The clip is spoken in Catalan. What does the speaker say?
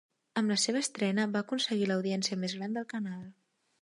Amb la seva estrena, va aconseguir l'audiència més gran del canal.